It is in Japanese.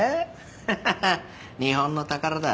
ハハハ日本の宝だ。